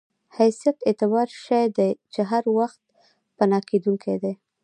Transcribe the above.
حیثیت اعتباري شی دی چې هر وخت پناه کېدونکی دی.